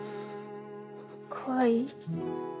怖い？